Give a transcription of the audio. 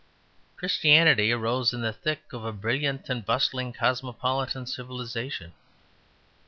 Christianity arose in the thick of a brilliant and bustling cosmopolitan civilization.